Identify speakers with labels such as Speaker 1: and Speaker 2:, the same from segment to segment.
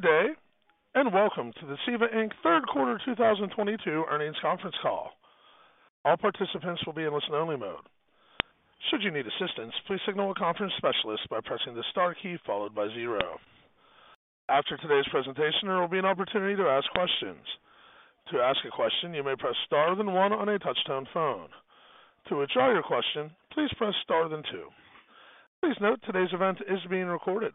Speaker 1: Good day, and welcome to the CEVA, Inc. Third Quarter 2022 Earnings Conference Call. All participants will be in listen-only mode. Should you need assistance, please signal a conference specialist by pressing the star key followed by zero. After today's presentation, there will be an opportunity to ask questions. To ask a question, you may press star then one on a touchtone phone. To withdraw your question, please press star then two. Please note today's event is being recorded.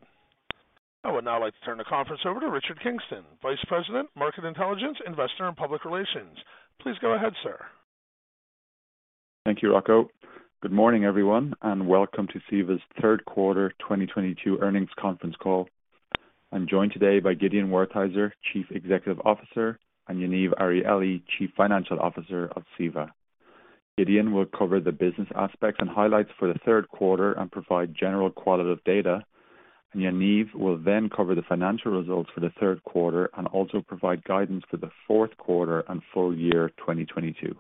Speaker 1: I would now like to turn the conference over to Richard Kingston, Vice President, Market Intelligence, Investor and Public Relations. Please go ahead, sir.
Speaker 2: Thank you, Rocco. Good morning, everyone, and welcome to CEVA's Third Quarter 2022 Earnings Conference Call. I'm joined today by Gideon Wertheizer, Chief Executive Officer, and Yaniv Arieli, Chief Financial Officer of CEVA. Gideon will cover the business aspects and highlights for the third quarter and provide general qualitative data. Yaniv will then cover the financial results for the third quarter and also provide guidance for the fourth quarter and full year 2022.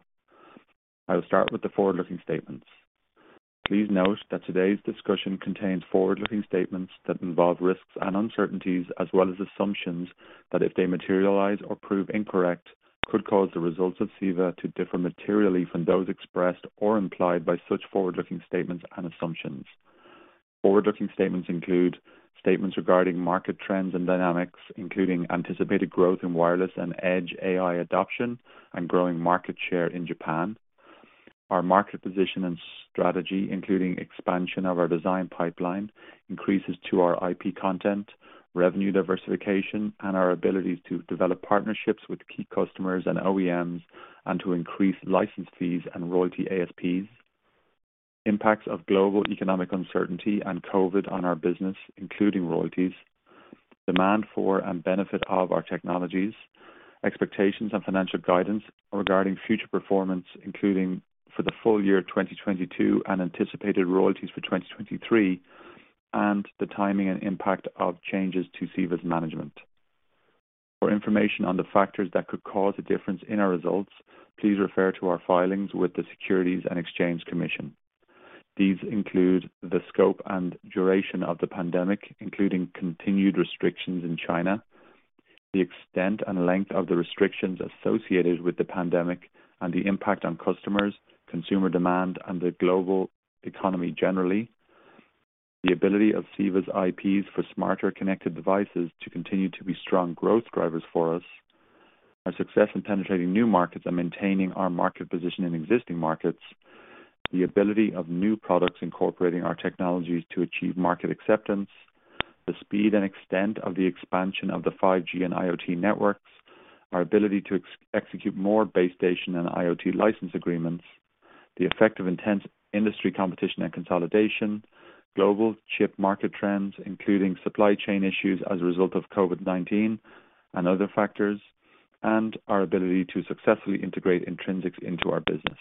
Speaker 2: I will start with the forward-looking statements. Please note that today's discussion contains forward-looking statements that involve risks and uncertainties as well as assumptions that if they materialize or prove incorrect, could cause the results of CEVA to differ materially from those expressed or implied by such forward-looking statements and assumptions. Forward-looking statements include statements regarding market trends and dynamics, including anticipated growth in wireless and edge AI adoption and growing market share in Japan. Our market position and strategy, including expansion of our design pipeline, increases to our IP content, revenue diversification, and our abilities to develop partnerships with key customers and OEMs, and to increase license fees and royalty ASPs. Impacts of global economic uncertainty and COVID on our business, including royalties. Demand for and benefit of our technologies, expectations and financial guidance regarding future performance, including for the full year 2022 and anticipated royalties for 2023, and the timing and impact of changes to CEVA's management. For information on the factors that could cause a difference in our results, please refer to our filings with the Securities and Exchange Commission. These include the scope and duration of the pandemic, including continued restrictions in China. The extent and length of the restrictions associated with the pandemic and the impact on customers, consumer demand, and the global economy generally. The ability of CEVA's IPs for smarter connected devices to continue to be strong growth drivers for us. Our success in penetrating new markets and maintaining our market position in existing markets. The ability of new products incorporating our technologies to achieve market acceptance. The speed and extent of the expansion of the 5G and IoT networks. Our ability to execute more base station and IoT license agreements. The effect of intense industry competition and consolidation. Global chip market trends, including supply chain issues as a result of COVID-19 and other factors, and our ability to successfully integrate Intrinsix into our business.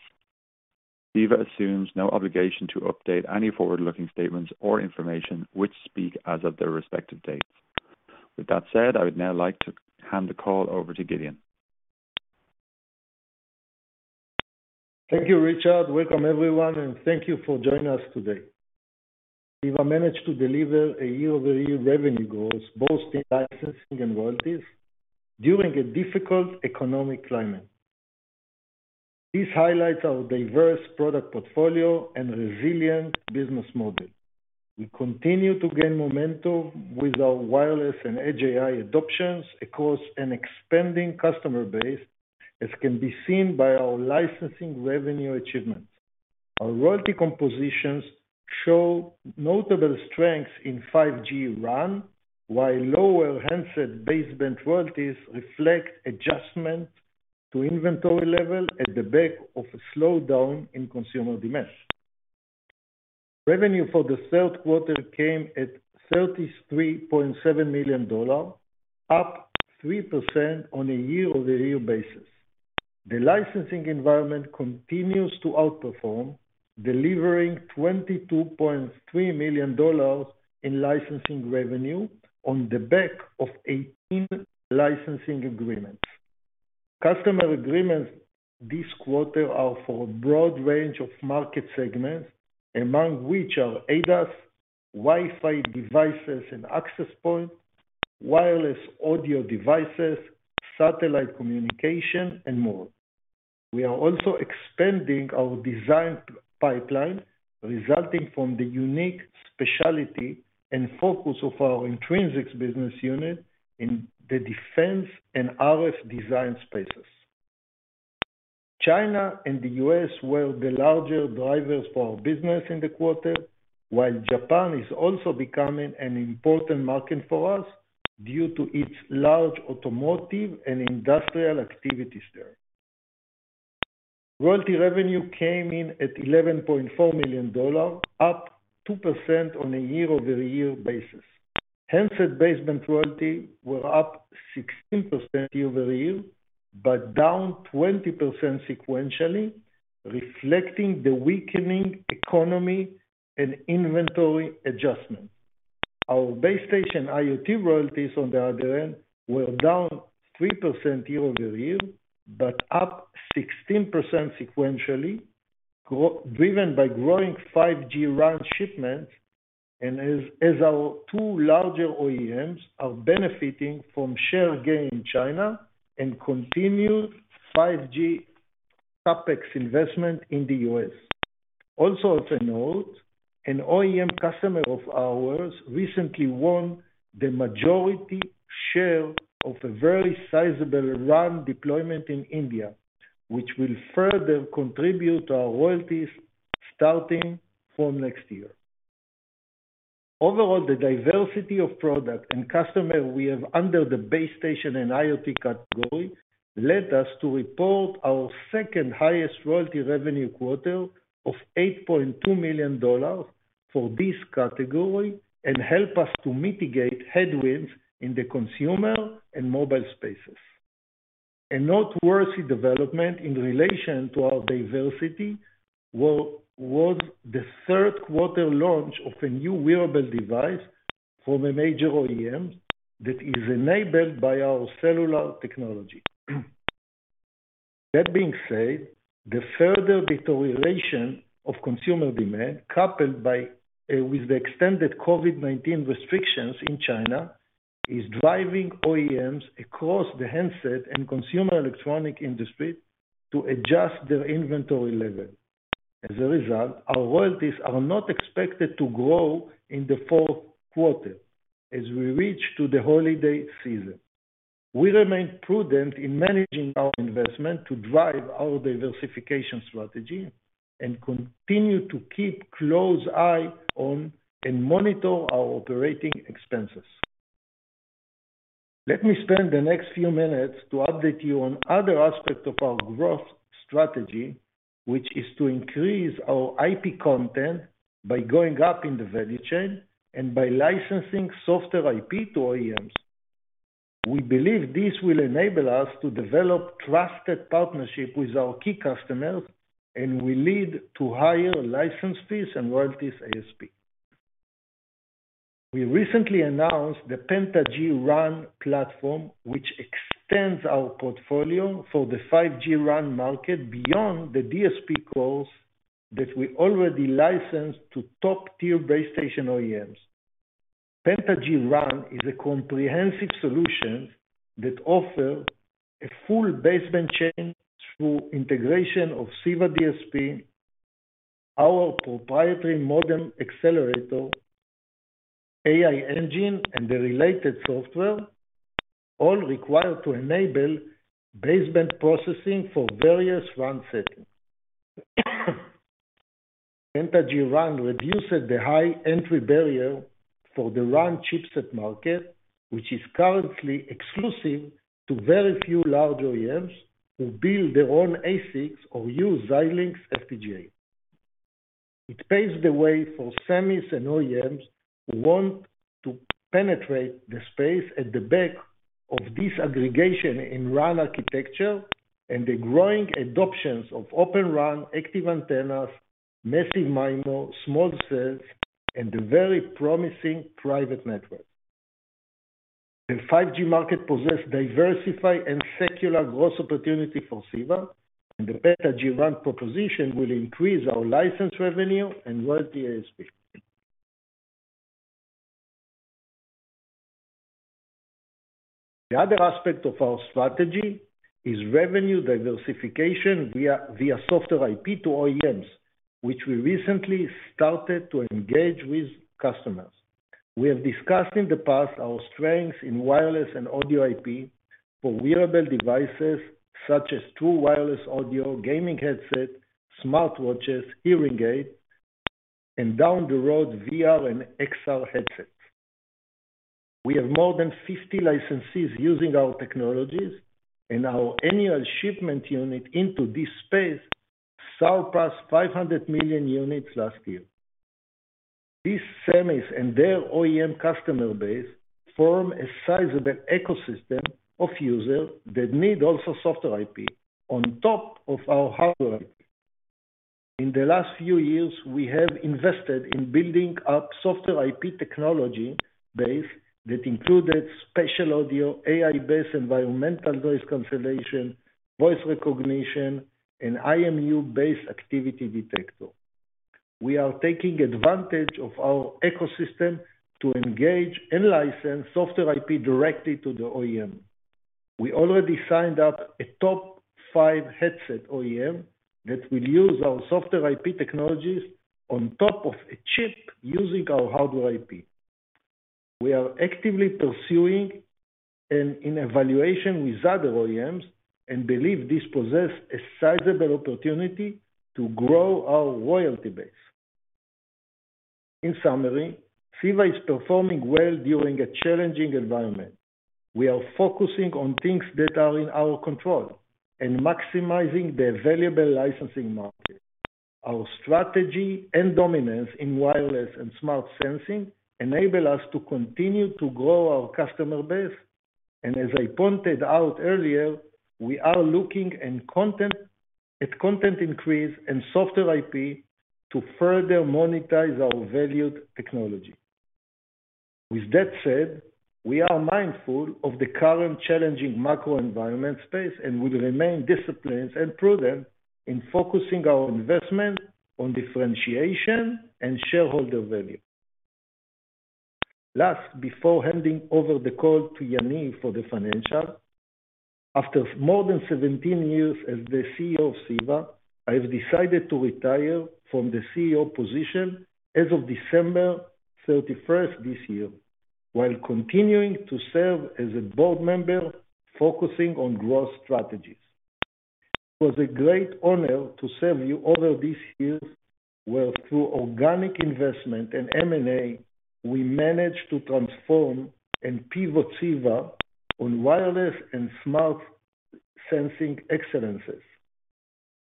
Speaker 2: CEVA assumes no obligation to update any forward-looking statements or information which speak as of their respective dates. With that said, I would now like to hand the call over to Gideon.
Speaker 3: Thank you, Richard. Welcome everyone, and thank you for joining us today. CEVA managed to deliver a year-over-year revenue growth, both in licensing and royalties, during a difficult economic climate. This highlights our diverse product portfolio and resilient business model. We continue to gain momentum with our wireless and Edge AI adoptions across an expanding customer base, as can be seen by our licensing revenue achievements. Our royalty compositions show notable strength in 5G RAN, while lower handset baseband royalties reflect adjustment to inventory level in the wake of a slowdown in consumer demand. Revenue for the third quarter came at $33.7 million, up 3% on a year-over-year basis. The licensing environment continues to outperform, delivering $22.3 million in licensing revenue on the back of 18 licensing agreements. Customer agreements this quarter are for a broad range of market segments, among which are ADAS, Wi-Fi devices and access point, wireless audio devices, satellite communication, and more. We are also expanding our design pipeline, resulting from the unique specialty and focus of our Intrinsix business unit in the defense and RF design spaces. China and the US were the larger drivers for our business in the quarter, while Japan is also becoming an important market for us due to its large automotive and industrial activities there. Royalty revenue came in at $11.4 million, up 2% on a year-over-year basis. Handset baseband royalty were up 16% year-over-year, but down 20% sequentially, reflecting the weakening economy and inventory adjustment. Our base station IoT royalties on the other end were down 3% year-over-year, but up 16% sequentially, driven by growing 5G RAN shipments and as our two larger OEMs are benefiting from share gain in China and continued 5G CapEx investment in the U.S. Also of note, an OEM customer of ours recently won the majority share of a very sizable RAN deployment in India, which will further contribute to our royalties starting from next year. Overall, the diversity of product and customer we have under the base station and IoT category led us to report our second highest royalty revenue quarter of $8.2 million for this category, and help us to mitigate headwinds in the consumer and mobile spaces. A noteworthy development in relation to our diversity was the third quarter launch of a new wearable device from a major OEM that is enabled by our cellular technology. That being said, the further deterioration of consumer demand, coupled with the extended COVID-19 restrictions in China, is driving OEMs across the handset and consumer electronics industry to adjust their inventory levels. As a result, our royalties are not expected to grow in the fourth quarter as we head to the holiday season. We remain prudent in managing our investment to drive our diversification strategy and continue to keep a close eye on and monitor our operating expenses. Let me spend the next few minutes to update you on other aspects of our growth strategy, which is to increase our IP content by going up in the value chain and by licensing software IP to OEMs. We believe this will enable us to develop trusted partnership with our key customers, and will lead to higher license fees and royalty ASP. We recently announced the PentaG-RAN platform, which extends our portfolio for the 5G RAN market beyond the DSP cores that we already licensed to top-tier base station OEMs. PentaG-RAN is a comprehensive solution that offer a full baseband chain through integration of CEVA DSP, our proprietary modem accelerator, AI engine, and the related software, all required to enable baseband processing for various RAN settings. PentaG-RAN reduces the high entry barrier for the RAN chipset market, which is currently exclusive to very few large OEMs who build their own ASICs or use Xilinx FPGA. It paves the way for semis and OEMs who want to penetrate the space at the back of this aggregation in RAN architecture and the growing adoptions of Open RAN, active antennas, massive MIMO, small cells, and the very promising private network. The 5G market presents diverse and secular growth opportunities for CEVA, and the PentaG-RAN proposition will increase our license revenue and royalty ASP. The other aspect of our strategy is revenue diversification via software IP to OEMs, which we recently started to engage with customers. We have discussed in the past our strengths in wireless and audio IP for wearable devices such as true wireless audio, gaming headsets, smartwatches, hearing aid, and down the road, VR and XR headsets. We have more than 50 licensees using our technologies, and our annual shipment unit into this space surpassed 500 million units last year. These SEMIs and their OEM customer base form a sizable ecosystem of users that need also software IP on top of our hardware. In the last few years, we have invested in building up software IP technology base that included spatial audio, AI-based environmental voice cancellation, voice recognition, and IMU-based activity detector. We are taking advantage of our ecosystem to engage and license software IP directly to the OEM. We already signed up a top five headset OEM that will use our software IP technologies on top of a chip using our hardware IP. We are actively pursuing and in evaluation with other OEMs, and believe this poses a sizable opportunity to grow our royalty base. In summary, CEVA is performing well during a challenging environment. We are focusing on things that are in our control and maximizing the valuable licensing market. Our strategy and dominance in wireless and smart sensing enable us to continue to grow our customer base. As I pointed out earlier, we are looking at content increase and software IP to further monetize our valued technology. With that said, we are mindful of the current challenging macro environment space, and we remain disciplined and prudent in focusing our investment on differentiation and shareholder value. Last, before handing over the call to Yaniv for the financial, after more than 17 years as the CEO of CEVA, I have decided to retire from the CEO position as of December 31st this year, while continuing to serve as a board member, focusing on growth strategies. It was a great honor to serve you over these years, where through organic investment and M&A, we managed to transform and pivot CEVA on wireless and smart sensing excellences.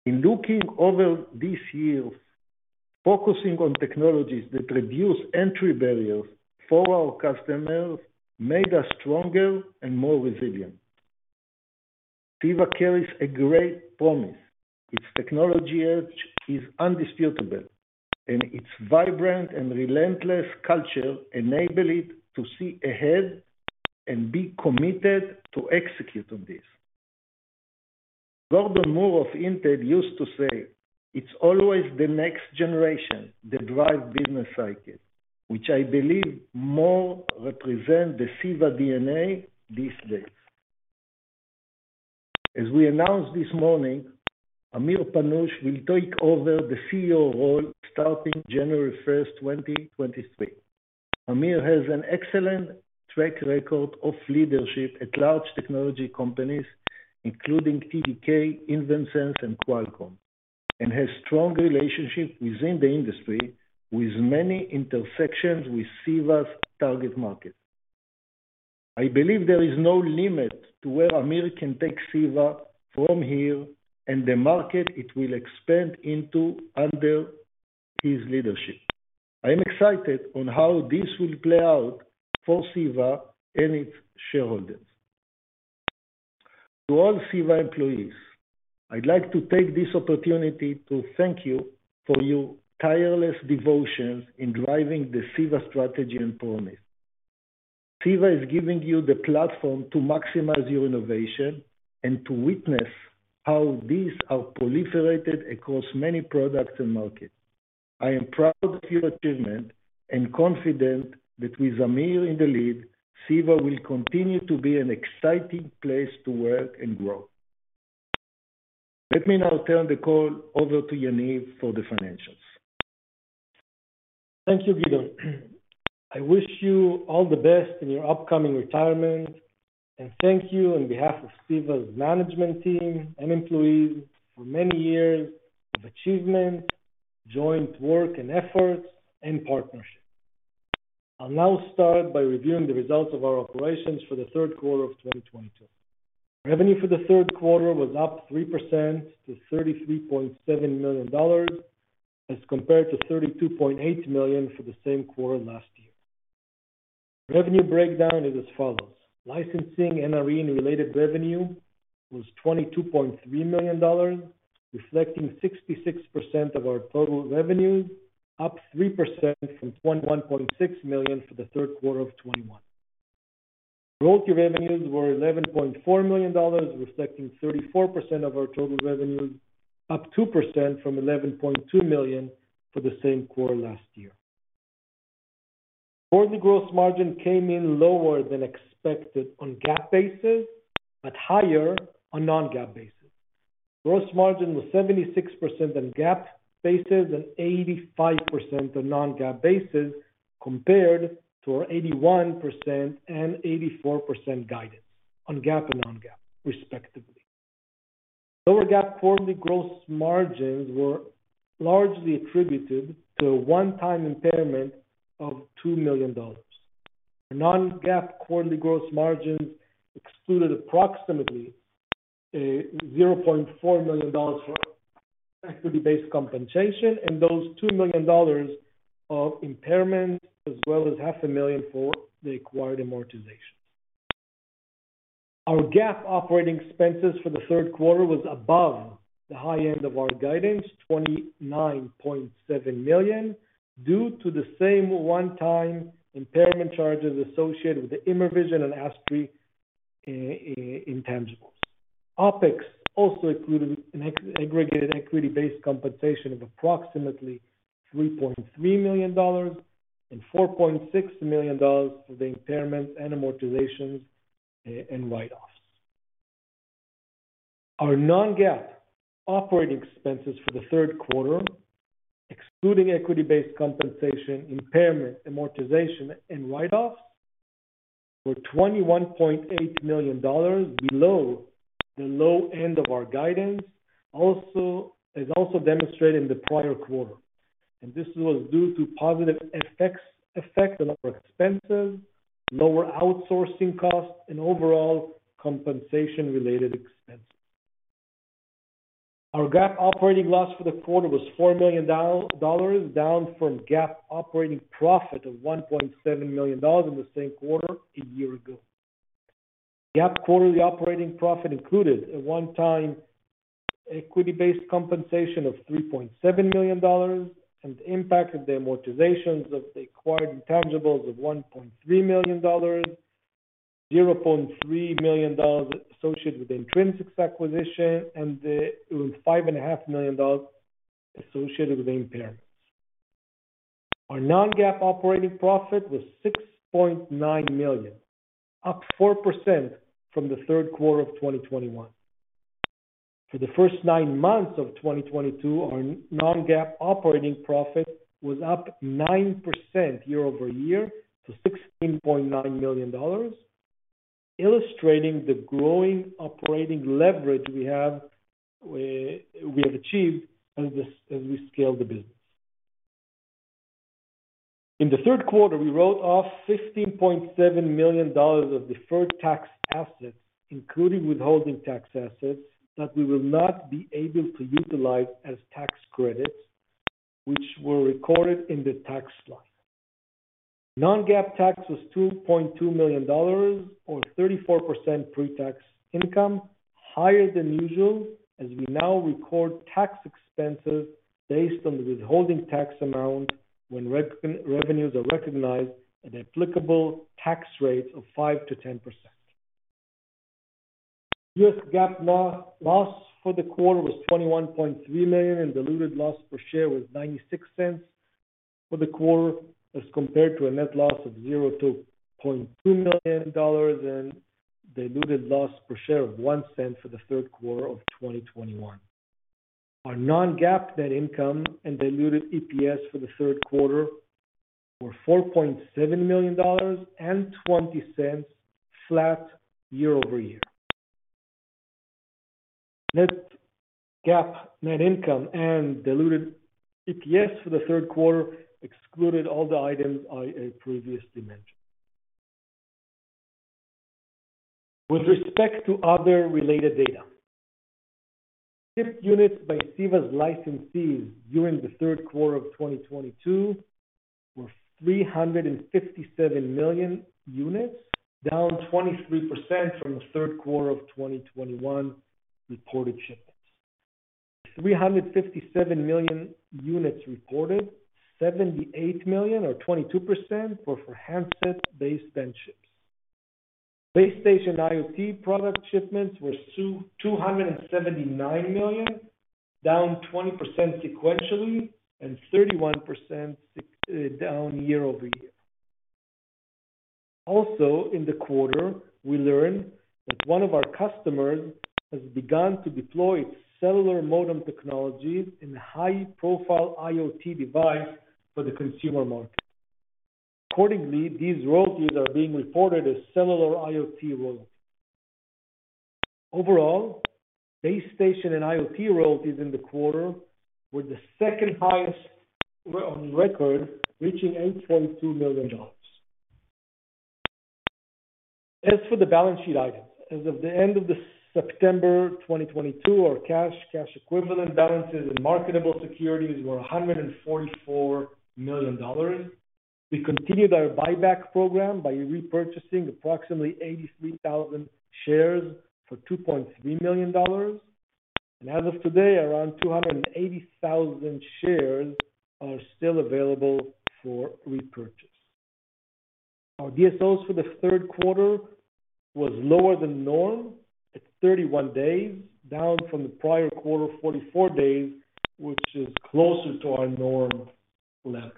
Speaker 3: In looking over these years, focusing on technologies that reduce entry barriers for our customers made us stronger and more resilient. CEVA carries a great promise. Its technology edge is indisputable, and its vibrant and relentless culture enable it to see ahead and be committed to execute on this. Gordon Moore of Intel used to say, "It's always the next generation that drive business cycles," which I believe more represent the CEVA DNA this day. As we announced this morning, Amir Panush will take over the CEO role starting January 1, 2023. Amir has an excellent track record of leadership at large technology companies, including TDK, InvenSense, and Qualcomm, and has strong relationships within the industry with many intersections with CEVA's target market. I believe there is no limit to where Amir can take CEVA from here and the market it will expand into under his leadership. I am excited on how this will play out for CEVA and its shareholders. To all CEVA employees, I'd like to take this opportunity to thank you for your tireless devotion in driving the CEVA strategy and promise. CEVA is giving you the platform to maximize your innovation and to witness how these are proliferated across many products and markets. I am proud of your achievement and confident that with Amir in the lead, CEVA will continue to be an exciting place to work and grow. Let me now turn the call over to Yaniv for the financials.
Speaker 4: Thank you, Gideon. I wish you all the best in your upcoming retirement. Thank you on behalf of CEVA's management team and employees for many years of achievement, joint work and efforts, and partnership. I'll now start by reviewing the results of our operations for the third quarter of 2022. Revenue for the third quarter was up 3% to $33.7 million, as compared to $32.8 million for the same quarter last year. Revenue breakdown is as follows. Licensing and NRE-related revenue was $22.3 million, reflecting 66% of our total revenues, up 3% from $21.6 million for the third quarter of 2021. Royalty revenues were $11.4 million, reflecting 34% of our total revenues, up 2% from $11.2 million for the same quarter last year. Quarterly gross margin came in lower than expected on GAAP basis, but higher on non-GAAP basis. Gross margin was 76% on GAAP basis and 85% on non-GAAP basis compared to our 81% and 84% guidance on GAAP and non-GAAP respectively. Lower GAAP quarterly gross margins were largely attributed to a one-time impairment of $2 million. Non-GAAP quarterly gross margins excluded approximately $0.4 million for equity-based compensation and those $2 million of impairment, as well as half a million dollars for the acquired amortizations. Our GAAP operating expenses for the third quarter was above the high end of our guidance, $29.7 million, due to the same one-time impairment charges associated with the Immervision and ASIP intangibles. OPEX also included aggregated equity-based compensation of approximately $3.3 million and $4.6 million for the impairments and amortizations, and write-offs. Our non-GAAP operating expenses for the third quarter, excluding equity-based compensation, impairment, amortization, and write-offs were $21.8 million below the low end of our guidance, as also demonstrated in the prior quarter. This was due to positive effects on our expenses, lower outsourcing costs, and overall compensation-related expenses. Our GAAP operating loss for the quarter was $4 million, down from GAAP operating profit of $1.7 million in the same quarter a year ago. The GAAP quarterly operating profit included a one-time equity-based compensation of $3.7 million and the impact of the amortizations of the acquired intangibles of $1.3 million, $0.3 million associated with Intrinsix's acquisition, and five and a half million dollars associated with impairments. Our non-GAAP operating profit was $6.9 million, up 4% from the third quarter of 2021. For the first nine months of 2022, our non-GAAP operating profit was up 9% year-over-year to $16.9 million, illustrating the growing operating leverage we have achieved as we scale the business. In the third quarter, we wrote off $15.7 million of deferred tax assets, including withholding tax assets, that we will not be able to utilize as tax credits, which were recorded in the tax line. non-GAAP tax was $2.2 million, or 34% pre-tax income, higher than usual as we now record tax expenses based on the withholding tax amount when revenues are recognized at applicable tax rates of 5%-10%. U.S. GAAP loss for the quarter was $21.3 million, and diluted loss per share was $0.96 for the quarter, as compared to a net loss of $0.2 million and diluted loss per share of $0.01 for the third quarter of 2021. Our non-GAAP net income and diluted EPS for the third quarter were $4.7 million and $0.20 flat year-over-year. Non-GAAP net income and diluted EPS for the third quarter excluded all the items I previously mentioned. With respect to other related data. Shipped units by CEVA's licensees during the third quarter of 2022 were 357 million units, down 23% from the third quarter of 2021 reported shipments. 357 million units reported, 78 million or 22%, were for handset baseband chips. Base station IoT product shipments were 279 million, down 20% sequentially and 31% year-over-year. Also, in the quarter, we learned that one of our customers has begun to deploy its cellular modem technologies in a high-profile IoT device for the consumer market. Accordingly, these royalties are being reported as cellular IoT royalties. Overall, base station and IoT royalties in the quarter were the second-highest on record, reaching $8.2 million. As for the balance sheet items, as of the end of September 2022, our cash equivalent balances and marketable securities were $144 million. We continued our buyback program by repurchasing approximately 83,000 shares for $2.3 million. As of today, around 280,000 shares are still available for repurchase. Our DSO for the third quarter was lower than norm at 31 days, down from the prior quarter, 44 days, which is closer to our norm level.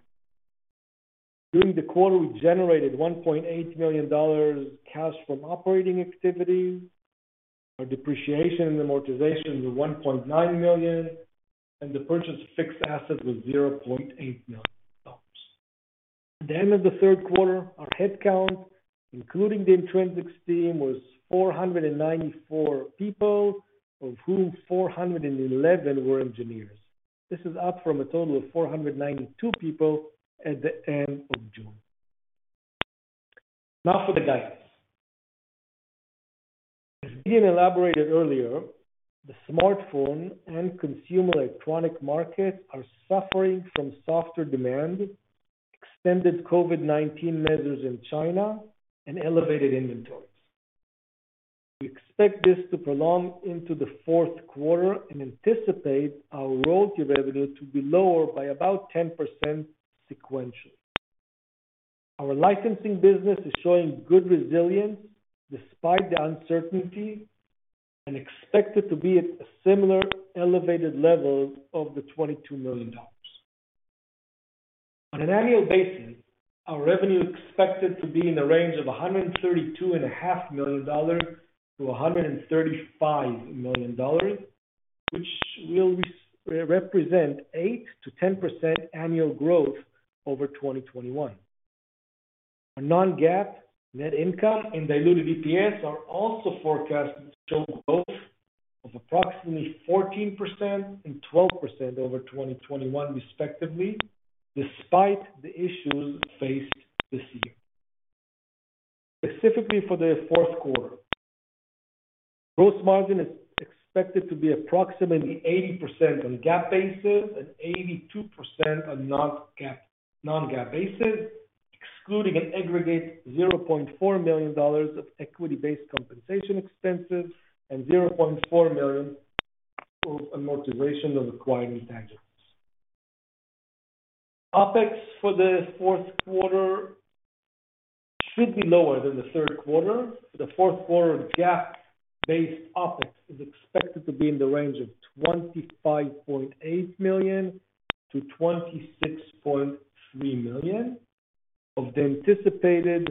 Speaker 4: During the quarter, we generated $1.8 million cash from operating activity. Our depreciation and amortization was $1.9 million, and the purchase of fixed assets was $0.8 million. At the end of the third quarter, our headcount, including the Intrinsix's team, was 494 people, of whom 411 were engineers. This is up from a total of 492 people at the end of June. Now for the guidance. As Gideon elaborated earlier, the smartphone and consumer electronics markets are suffering from softer demand, extended COVID-19 measures in China, and elevated inventories. We expect this to prolong into the fourth quarter and anticipate our royalty revenue to be lower by about 10% sequentially. Our licensing business is showing good resilience despite the uncertainty and expected to be at a similar elevated level of the $22 million. On an annual basis, our revenue is expected to be in the range of $132.5 million-$135 million, which will represent 8%-10% annual growth over 2021. Our non-GAAP net income and diluted EPS are also forecast to show growth of approximately 14% and 12% over 2021 respectively, despite the issues faced this year. Specifically for the fourth quarter. Gross margin is expected to be approximately 80% on GAAP basis and 82% on non-GAAP basis, excluding an aggregate $0.4 million of equity-based compensation expenses and $0.4 million of amortization of acquired intangibles. OPEX for the fourth quarter should be lower than the third quarter. The fourth quarter GAAP-based OPEX is expected to be in the range of $25.8 million-$26.3 million. Of the anticipated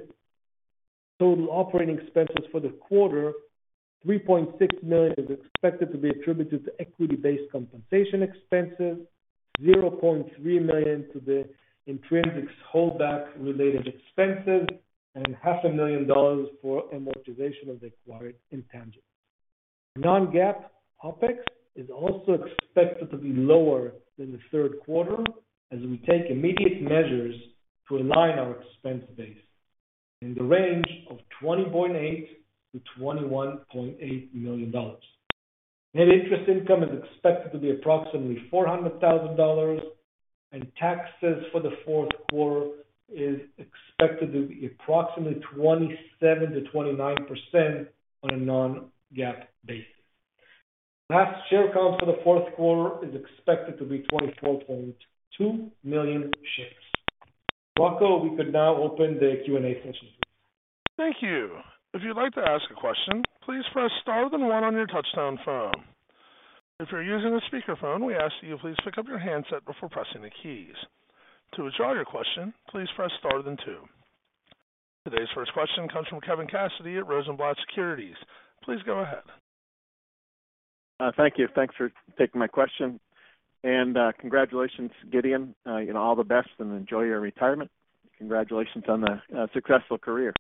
Speaker 4: total operating expenses for the quarter, $3.6 million is expected to be attributed to equity-based compensation expenses, $0.3 million to the Intrinsix holdback-related expenses, and $0.5 million For amortization of acquired intangibles. Non-GAAP OPEX is also expected to be lower than the third quarter as we take immediate measures to align our expense base in the range of $20.8 million-$21.8 million. Net interest income is expected to be approximately $400,000, and taxes for the fourth quarter is expected to be approximately 27%-29% on a non-GAAP basis. Last, share count for the fourth quarter is expected to be 24.2 million shares. Marco, we could now open the Q&A session.
Speaker 1: Thank you. If you'd like to ask a question, please press Star then one on your touchtone phone. If you're using a speakerphone, we ask that you please pick up your handset before pressing the keys. To withdraw your question, please press star then two. Today's first question comes from Kevin Cassidy at Rosenblatt Securities. Please go ahead.
Speaker 5: Thank you. Thanks for taking my question. Congratulations, Gideon. You know, all the best and enjoy your retirement. Congratulations on the successful career.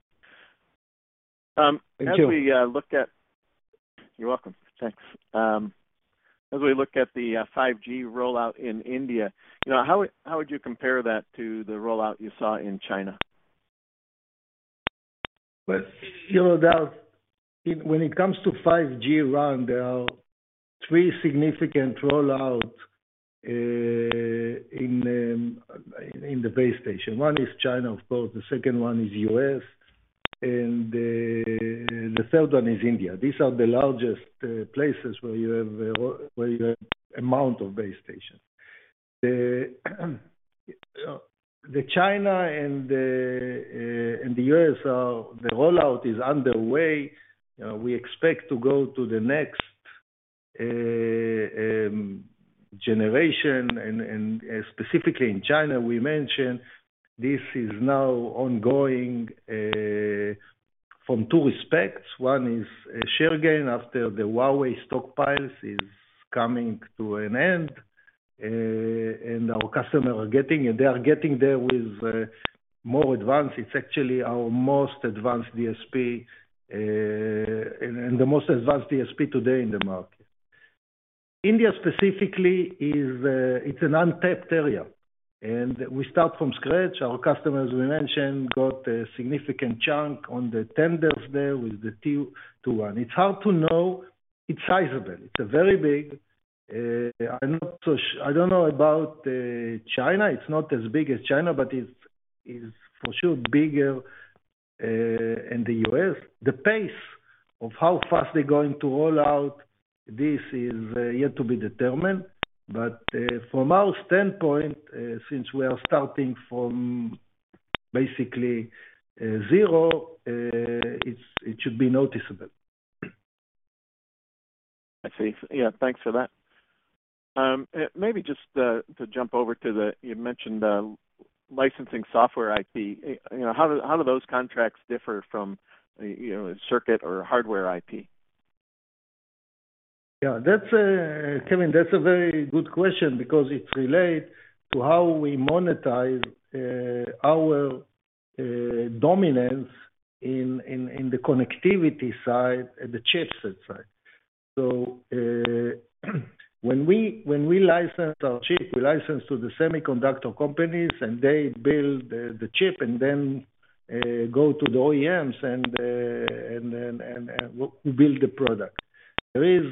Speaker 3: Thank you.
Speaker 5: You're welcome. Thanks. As we look at the 5G rollout in India, you know, how would you compare that to the rollout you saw in China?
Speaker 3: Well, you know that when it comes to 5G RAN, there are three significant rollouts in base stations. One is China, of course, the second one is U.S. and the third one is India. These are the largest places where you have the largest amount of base stations. The China and the U.S. rollout is underway. We expect to go to the next generation and specifically in China, we mentioned this is now ongoing from two respects. One is a share gain after the Huawei stockpiles is coming to an end, and our customers are getting it. They are getting there with more advanced. It's actually our most advanced DSP, and the most advanced DSP today in the market. India specifically is, it's an untapped area, and we start from scratch. Our customers, we mentioned, got a significant chunk on the tenders there with the two to one. It's hard to know. It's sizable. It's a very big, I don't know about China. It's not as big as China, but it is for sure bigger than the U.S. The pace of how fast they're going to roll out, this is yet to be determined. From our standpoint, since we are starting from basically zero, it should be noticeable.
Speaker 5: I see. Yeah, thanks for that. Maybe just, you mentioned licensing software IP. You know, how do those contracts differ from, you know, circuit or hardware IP?
Speaker 3: Yeah, that's Kevin, that's a very good question because it relates to how we monetize our dominance in the connectivity side and the chipset side. When we license our chip, we license to the semiconductor companies, and they build the chip and then go to the OEMs and then build the product. There is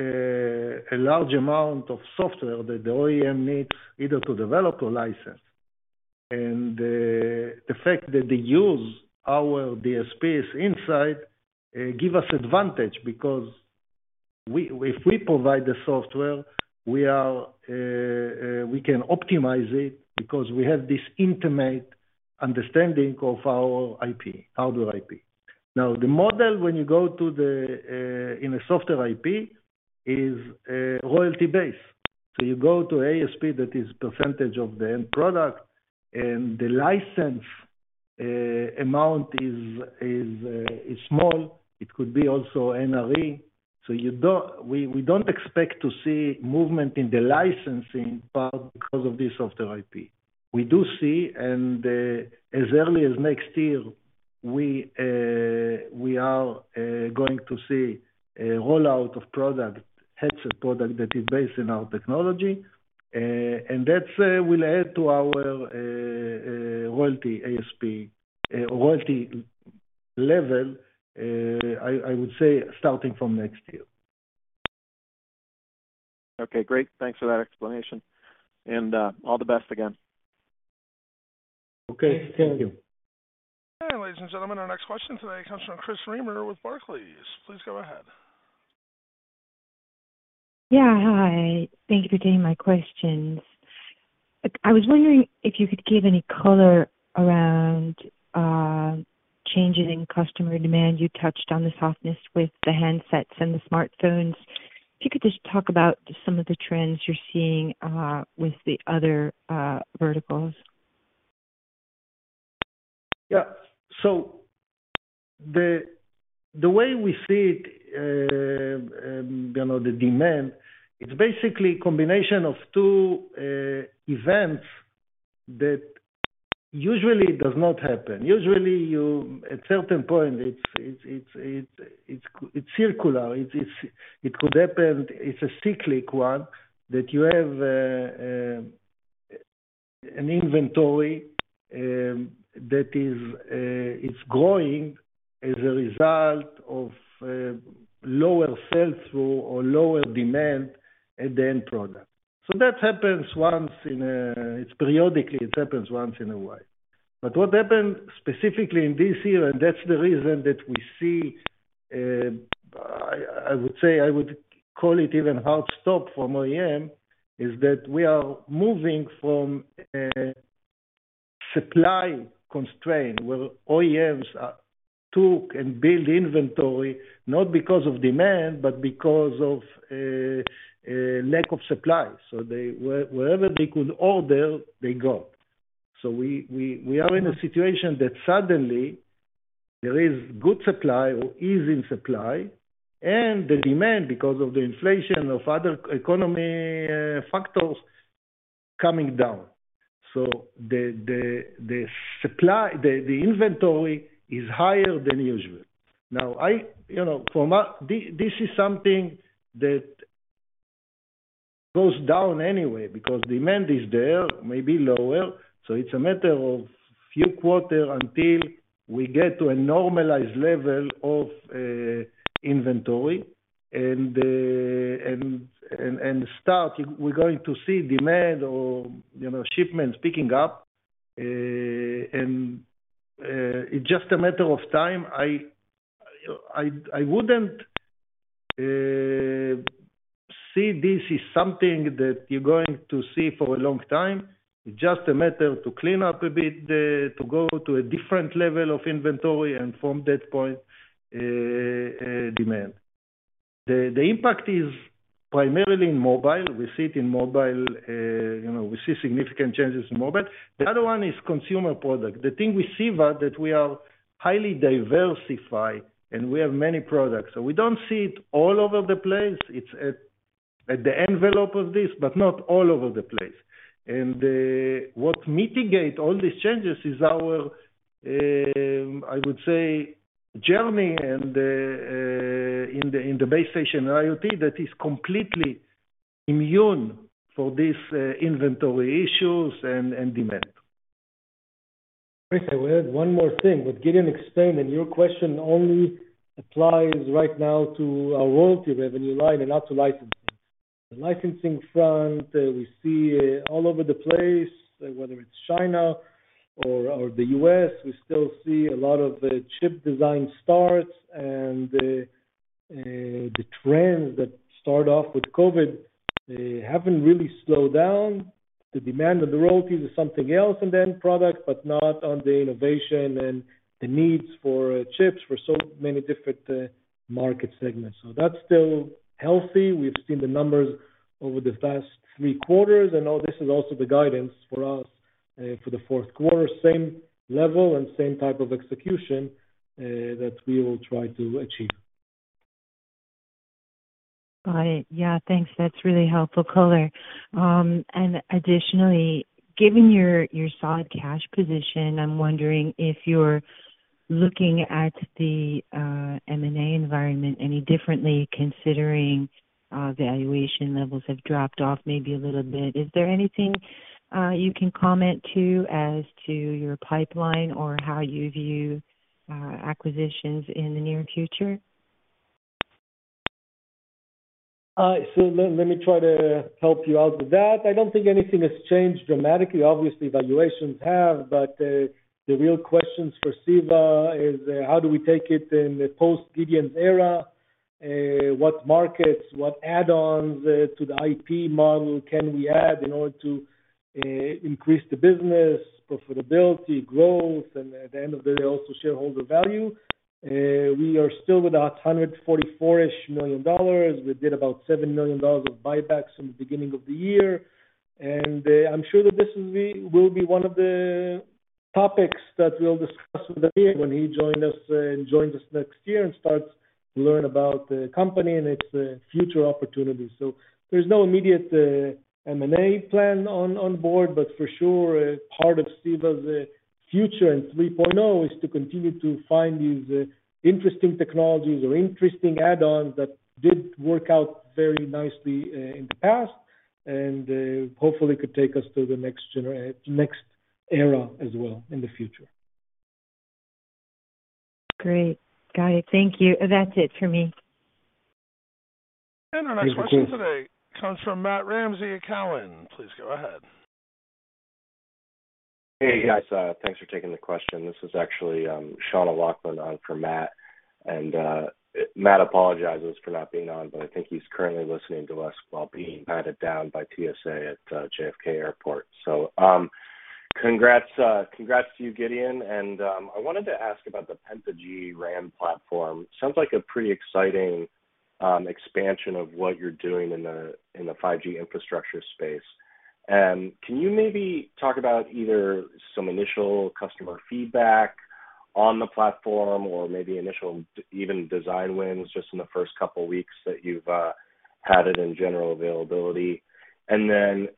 Speaker 3: a large amount of software that the OEM needs either to develop or license. The fact that they use our DSPs inside give us advantage because we, if we provide the software, we can optimize it because we have this intimate understanding of our IP. Now, the model when you go in a software IP is royalty-based. You go to ASP that is percentage of the end product, and the license amount is small. It could be also NRE. We don't expect to see movement in the licensing part because of this software IP. We do see and as early as next year we are going to see a rollout of product, headset product that is based on our technology. That will add to our royalty ASP, royalty level I would say starting from next year.
Speaker 5: Okay, great. Thanks for that explanation, and all the best again.
Speaker 3: Okay. Thank you.
Speaker 1: Ladies and gentlemen, our next question today comes from Chris Reimer with Barclays. Please go ahead.
Speaker 6: Yeah, hi. Thank you for taking my questions. I was wondering if you could give any color around changes in customer demand. You touched on the softness with the handsets and the smartphones. If you could just talk about some of the trends you're seeing with the other verticals
Speaker 3: Yeah. The way we see it, you know, the demand, it's basically a combination of two events that usually does not happen. At certain point, it's cyclical. It could happen. It's a cyclical one that you have, an inventory that is growing as a result of lower sales or lower demand at the end product. It happens periodically, once in a while. What happened specifically in this year, and that's the reason that we see, I would say I would call it even hard stop from OEM, is that we are moving from a supply constraint, where OEMs took and build inventory not because of demand, but because of a lack of supply. They, wherever they could order, they got. We are in a situation that suddenly there is good supply or easy supply, and the demand because of the inflation and other economic factors coming down. The supply, the inventory is higher than usual. You know, this is something that goes down anyway because demand is there, maybe lower. It's a matter of a few quarters until we get to a normalized level of inventory and start. We're going to see demand or, you know, shipments picking up, and it's just a matter of time. I wouldn't see this as something that you're going to see for a long time. It's just a matter to clean up a bit to go to a different level of inventory and from that point, demand. The impact is primarily in mobile. We see it in mobile, you know, we see significant changes in mobile. The other one is consumer product. The thing with CEVA that we are highly diversified and we have many products, so we don't see it all over the place. It's at the envelope of this, but not all over the place. What mitigate all these changes is our, I would say, journey and in the base station IoT that is completely immune for this inventory issues and demand.
Speaker 4: One more thing. What Gideon explained, and your question only applies right now to our royalty revenue line and not to licensing. The licensing front, we see all over the place, whether it's China or the U.S. we still see a lot of the chip design starts and the trends that start off with COVID haven't really slowed down. The demand of the royalties is something else in the end product, but not on the innovation and the needs for chips for so many different market segments. That's still healthy. We've seen the numbers over the past three quarters, and all this is also the guidance for us for the fourth quarter, same level and same type of execution that we will try to achieve.
Speaker 6: Got it. Yeah, thanks. That's really helpful color. Additionally, given your solid cash position, I'm wondering if you're looking at the M&A environment any differently, considering valuation levels have dropped off maybe a little bit. Is there anything you can comment on as to your pipeline or how you view acquisitions in the near future?
Speaker 4: Let me try to help you out with that. I don't think anything has changed dramatically. Obviously, valuations have, but the real questions for CEVA is how do we take it in the post-Gideon's era? What markets, what add-ons to the IP model can we add in order to increase the business, profitability, growth, and at the end of the day, also shareholder value. We are still with our $144-ish million. We did about $7 million of buybacks from the beginning of the year. I'm sure that this will be one of the topics that we'll discuss with Amir when he joins us next year and starts to learn about the company and its future opportunities. There's no immediate M&A plan on board, but for sure, part of CEVA's future in 3.0 is to continue to find these interesting technologies or interesting add-ons that did work out very nicely in the past and, hopefully, could take us to the next era as well in the future.
Speaker 6: Great. Got it. Thank you. That's it for me.
Speaker 1: Our next question today comes from Matt Ramsay at Cowen. Please go ahead.
Speaker 7: Hey, guys. Thanks for taking the question. This is actually Sean O'Loughlin on for Matt. Matt apologizes for not being on, but I think he's currently listening to us while being patted down by TSA at JFK Airport. Congrats to you, Gideon. I wanted to ask about the PentaG-RAN platform. Sounds like a pretty exciting expansion of what you're doing in the 5G infrastructure space. Can you maybe talk about either some initial customer feedback on the platform or maybe initial design wins just in the first couple weeks that you've had it in general availability? Then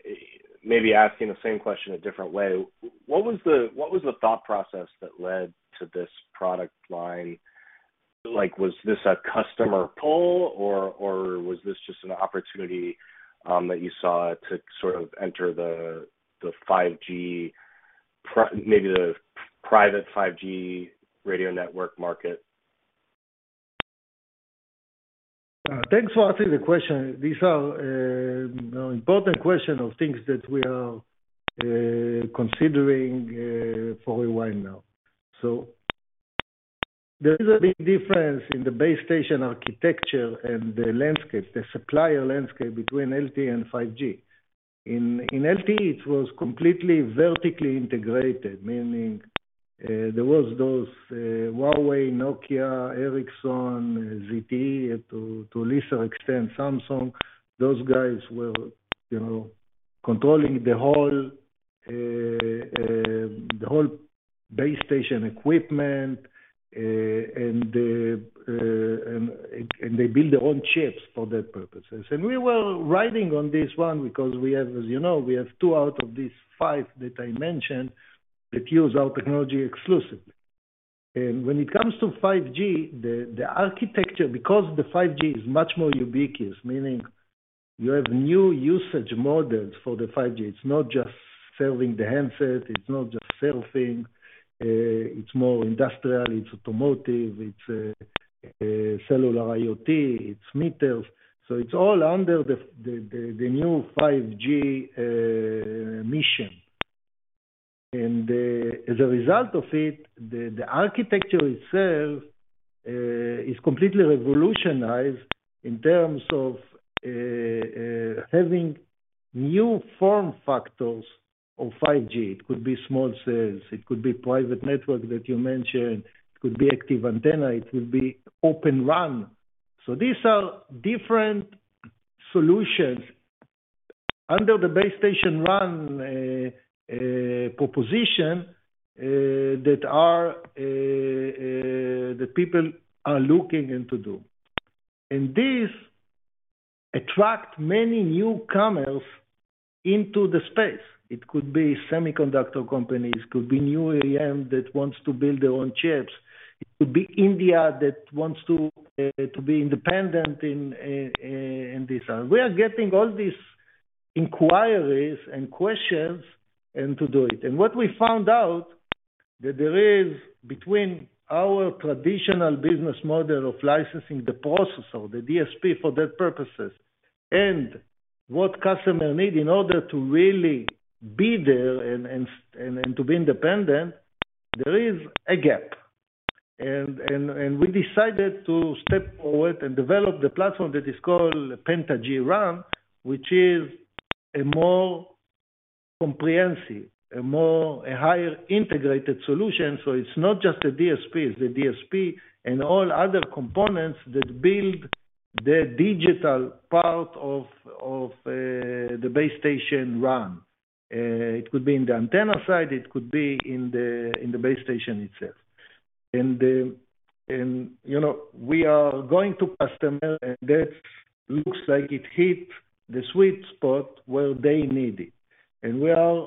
Speaker 7: maybe asking the same question a different way, what was the thought process that led to this product line? Like, was this a customer pull or was this just an opportunity that you saw to sort of enter the 5G maybe the private 5G radio network market?
Speaker 3: Thanks for asking the question. These are important question of things that we are considering for a while now. There is a big difference in the base station architecture and the landscape, the supplier landscape between LTE and 5G. In LTE, it was completely vertically integrated, meaning there was those Huawei, Nokia, Ericsson, ZTE, to a lesser extent, Samsung. Those guys were, you know, controlling the whole, the whole base station equipment, and they build their own chips for that purposes. We were riding on this one because, as you know, we have two out of these five that I mentioned that use our technology exclusively. When it comes to 5G, the architecture, because the 5G is much more ubiquitous, meaning you have new usage models for the 5G. It's not just serving the handset, it's not just cellular, it's more industrial, it's automotive, it's cellular IoT, it's meters. It's all under the new 5G mission. As a result of it, the architecture itself is completely revolutionized in terms of having new form factors of 5G. It could be small cells, it could be private network that you mentioned, it could be active antenna, it could be Open RAN. These are different solutions under the base station RAN proposition that people are looking into to do. This attract many newcomers into the space. It could be semiconductor companies, could be new OEM that wants to build their own chips. It could be India that wants to be independent in this. We are getting all these inquiries and questions and to do it. What we found out, that there is a gap between our traditional business model of licensing the processor, the DSP for those purposes, and what customers need in order to really be there and to be independent. We decided to step forward and develop the platform that is called PentaG-RAN, which is a more comprehensive, highly integrated solution. It's not just the DSP, it's the DSP and all other components that build the digital part of the base station RAN. It could be in the antenna side, it could be in the base station itself. You know, we are going to customers, and that looks like it hit the sweet spot where they need it. We are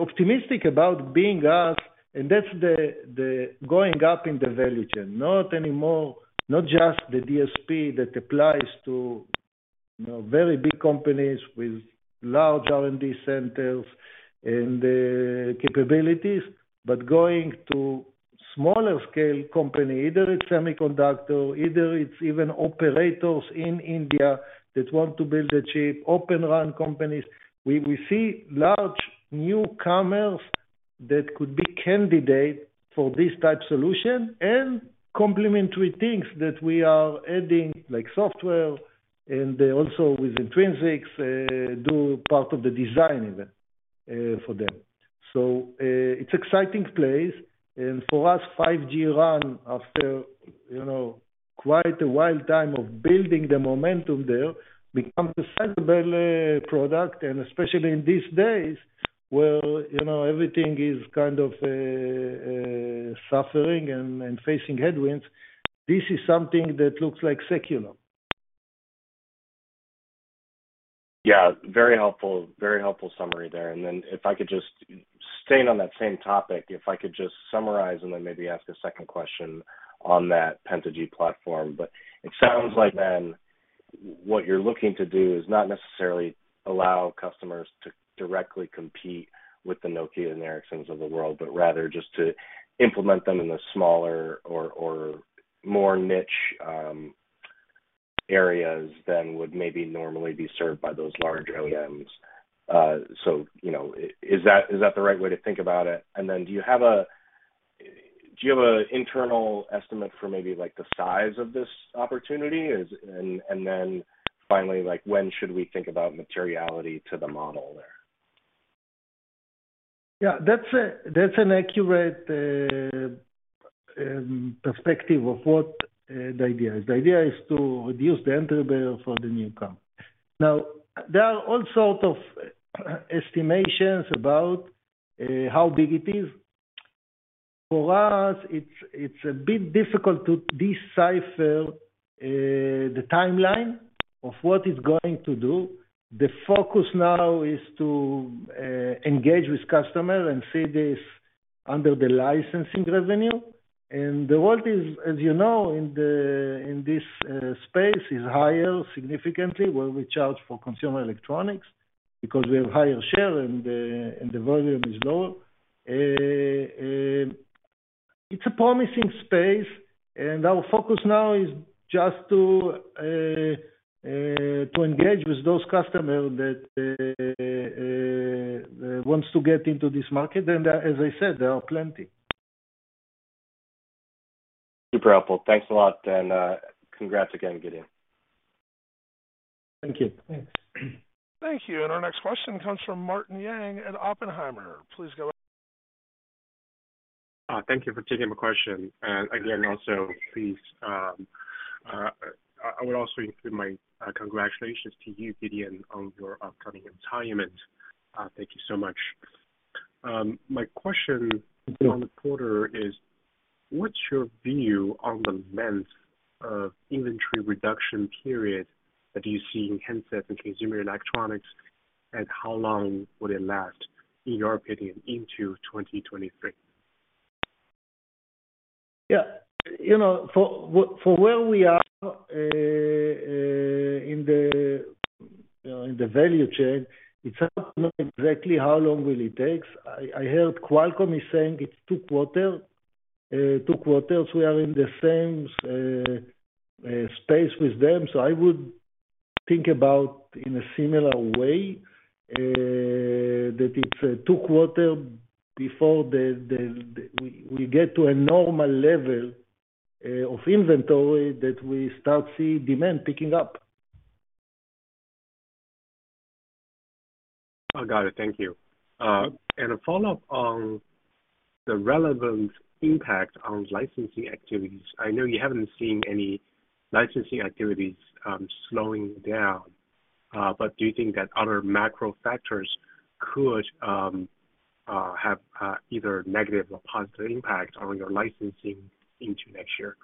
Speaker 3: optimistic about being asked, and that's the going up in the value chain. Not anymore, not just the DSP that applies to, you know, very big companies with large R&D centers and the capabilities, but going to smaller scale company, either it's semiconductor, either it's even operators in India that want to build a chip, Open RAN companies. We see large newcomers that could be candidate for this type solution and complementary things that we are adding, like software, and also with Intrinsix do part of the design even for them. It's exciting place. For us, 5G RAN after, you know, quite a wild time of building the momentum there becomes a sizable product, and especially in these days where, you know, everything is kind of suffering and facing headwinds. This is something that looks like secular.
Speaker 7: Yeah. Very helpful. Very helpful summary there. Staying on that same topic, if I could just summarize and then maybe ask a second question on that PentaG platform. It sounds like what you're looking to do is not necessarily allow customers to directly compete with the Nokia and Ericssons of the world, but rather just to implement them in a smaller or more niche areas than would maybe normally be served by those large OEMs. So, you know, is that the right way to think about it? Do you have an internal estimate for maybe like the size of this opportunity? Then finally, like when should we think about materiality to the model there?
Speaker 3: Yeah, that's an accurate perspective of what the idea is. The idea is to reduce the entry barrier for the new company. Now, there are all sorts of estimations about how big it is. For us, it's a bit difficult to decipher the timeline of what it's going to do. The focus now is to engage with customer and see this under the licensing revenue. The world is, as you know, in this space, higher significantly where we charge for consumer electronics because we have higher share and the volume is lower. It's a promising space, and our focus now is just to engage with those customers that wants to get into this market. As I said, there are plenty.
Speaker 7: Super helpful. Thanks a lot. Congrats again, Gideon.
Speaker 3: Thank you.
Speaker 1: Thank you. Our next question comes from Martin Yang at Oppenheimer. Please go ahead.
Speaker 8: Thank you for taking my question. Again, also, please, I would also include my congratulations to you, Gideon, on your upcoming retirement. Thank you so much. My question.
Speaker 3: Mm-hmm.
Speaker 8: On the quarter, what's your view on the length of inventory reduction period that you see in handsets and consumer electronics, and how long would it last, in your opinion, into 2023?
Speaker 3: Yeah. You know, for where we are in the value chain, it's hard to know exactly how long will it takes. I heard Qualcomm is saying it's two quarters. We are in the same space with them, so I would think about in a similar way, that it's two quarters before the we get to a normal level of inventory that we start to see demand picking up.
Speaker 8: I got it. Thank you. A follow-up on the relevant impact on licensing activities. I know you haven't seen any licensing activities slowing down, but do you think that other macro factors could have either negative or positive impact on your licensing into next year?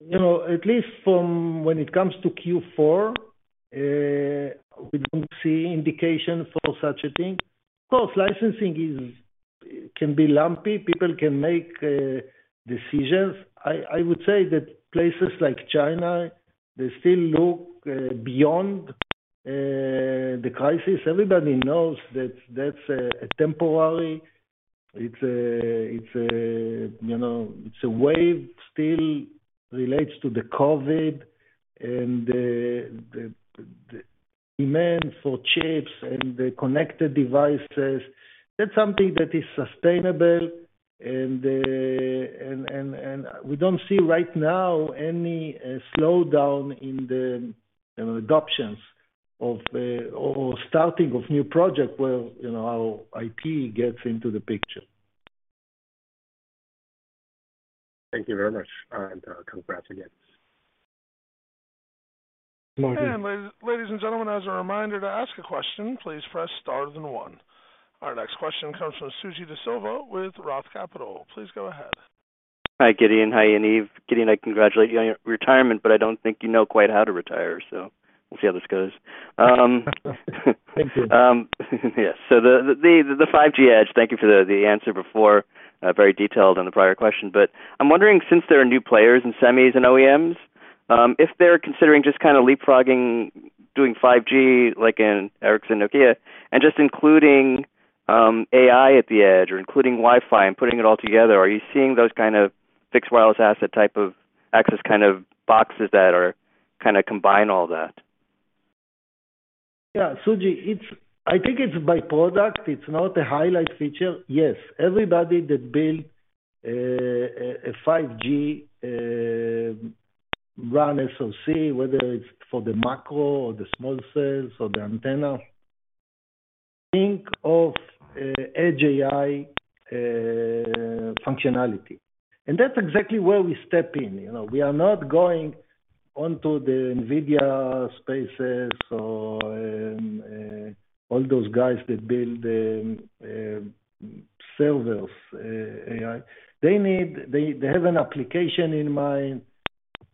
Speaker 3: You know, at least from when it comes to Q4, we don't see indication for such a thing. Of course, licensing can be lumpy. People can make decisions. I would say that places like China, they still look beyond the crisis. Everybody knows that that's a temporary. It's a wave still relates to the COVID and the demand for chips and the connected devices. That's something that is sustainable and we don't see right now any slowdown in the adoptions of or starting of new project where our IP gets into the picture.
Speaker 8: Thank you very much. Congrats again.
Speaker 1: Ladies and gentlemen, as a reminder to ask a question, please press star then one. Our next question comes from Suji Desilva with Roth Capital. Please go ahead.
Speaker 9: Hi, Gideon. Hi, Yaniv. Gideon, I congratulate you on your retirement, but I don't think you know quite how to retire, so we'll see how this goes.
Speaker 3: Thank you.
Speaker 9: The 5G edge, thank you for the answer before. Very detailed on the prior question. I'm wondering, since there are new players in semis and OEMs, if they're considering just kinda leapfrogging doing 5G, like in Ericsson, Nokia, and just including AI at the edge or including Wi-Fi and putting it all together, are you seeing those kind of fixed wireless asset type of access kind of boxes that are kinda combine all that?
Speaker 3: Yeah. Suji, I think it's by product. It's not a highlight feature. Yes, everybody that build a 5G RAN SOC, whether it's for the macro or the small cells or the antenna, think of Edge AI functionality. That's exactly where we step in. You know, we are not going onto the Nvidia spaces or all those guys that build servers AI. They have an application in mind,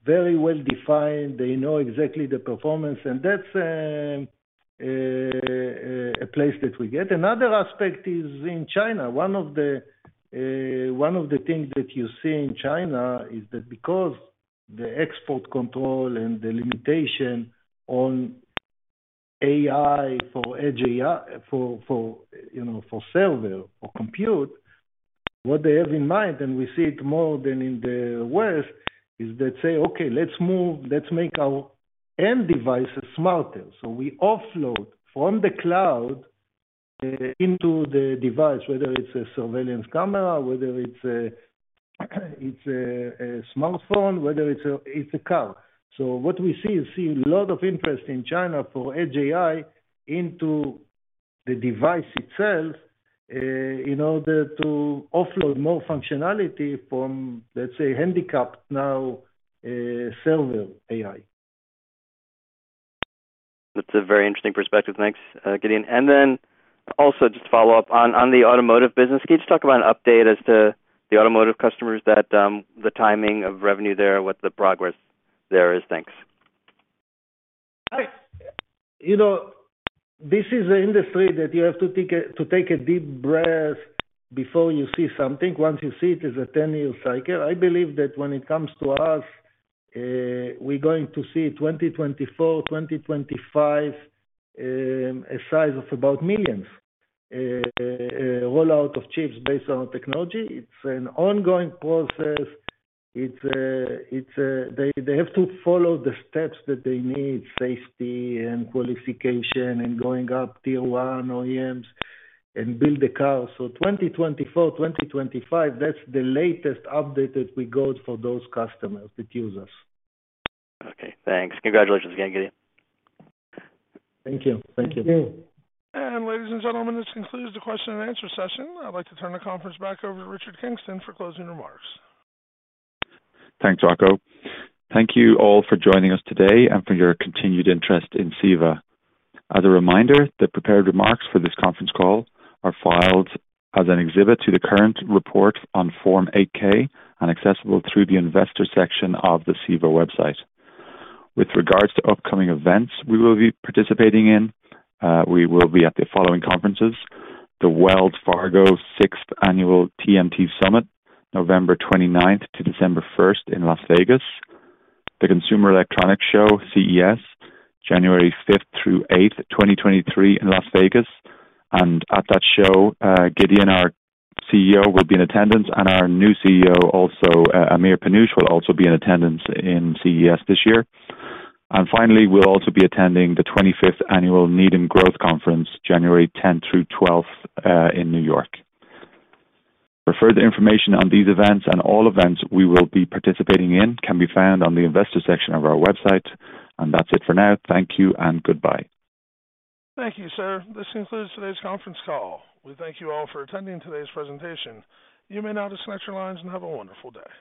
Speaker 3: very well-defined. They know exactly the performance. That's a place that we get. Another aspect is in China. One of the things that you see in China is that because the export control and the limitation on AI for Edge AI, you know, for server or compute, what they have in mind, and we see it more than in the West, is they say, "Okay, let's move. Let's make our end devices smarter." We offload from the cloud into the device, whether it's a surveillance camera, whether it's a smartphone, whether it's a car. What we see is a lot of interest in China for Edge AI into the device itself, in order to offload more functionality from, let's say, handicapped now, server AI.
Speaker 9: That's a very interesting perspective. Thanks, Gideon. Then also just follow up on the automotive business. Can you just talk about an update as to the automotive customers that, the timing of revenue there, what the progress there is? Thanks.
Speaker 3: You know, this is an industry that you have to take a deep breath before you see something. Once you see it's a 10-year cycle. I believe that when it comes to us, we're going to see 2024, 2025, a size of about millions, roll out of chips based on technology. It's an ongoing process. They have to follow the steps that they need, safety and qualification and going up tier one OEMs and build the car. 2024, 2025, that's the latest update that we got for those customers that use us.
Speaker 9: Okay. Thanks. Congratulations again, Gideon.
Speaker 3: Thank you. Thank you.
Speaker 1: Ladies and gentlemen, this concludes the question and answer session. I'd like to turn the conference back over to Richard Kingston for closing remarks.
Speaker 2: Thanks, Marco. Thank you all for joining us today and for your continued interest in CEVA. As a reminder, the prepared remarks for this conference call are filed as an exhibit to the current report on Form 8-K and accessible through the investor section of the CEVA website. With regards to upcoming events we will be participating in, we will be at the following conferences, the Wells Fargo 6th Annual TMT Summit, November 29thth to December 1st in Las Vegas. The Consumer Electronics Show, CES, January 5th through 8th, 2023 in Las Vegas. At that show, Gideon, our CEO, will be in attendance, and our new CEO also, Amir Panush, will also be in attendance in CES this year. Finally, we'll also be attending the 25th Annual Needham Growth Conference, January 10 through 12th, in New York. For further information on these events and all events we will be participating in, can be found on the investor section of our website. That's it for now. Thank you and goodbye.
Speaker 1: Thank you, sir. This concludes today's conference call. We thank you all for attending today's presentation. You may now disconnect your lines and have a wonderful day.